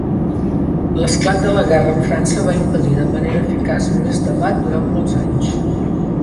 L'esclat de la guerra amb França va impedir de manera eficaç més debat durant molts anys.